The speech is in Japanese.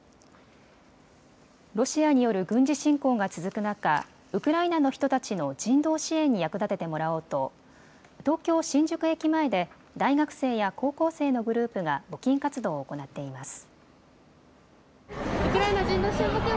ロシアによる軍事侵攻が続く中、ウクライナの人たちの人道支援に役立ててもらおうと東京、新宿駅前で大学生や高校生のグループが募金活動を行っています。